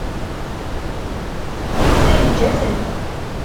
Yuba yeǧǧa-ten.